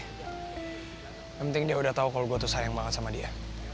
yang penting dia udah tau kalau gue tuh sayang banget sama dia